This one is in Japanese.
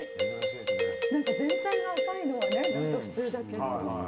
何か全体が赤いのはね何か普通だけど。